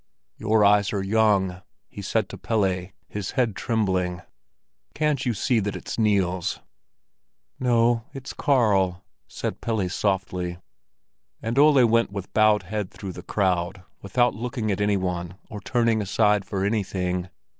"Your eyes are young," he said to Pelle, his head trembling. "Can't you see that it's Niels?" "No, it's Karl," said Pelle softly. And Ole went with bowed head through the crowd, without looking at any one or turning aside for anything.